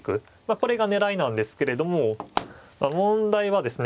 これが狙いなんですけれども問題はですね